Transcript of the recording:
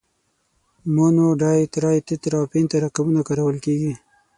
مونو، ډای، ترای، تترا او پنتا رقمونه کارول کیږي.